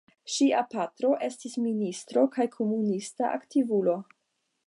Ŝia patro estis ministo kaj komunista aktivulo.